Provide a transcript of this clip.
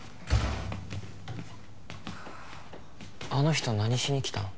あの人何しに来たん？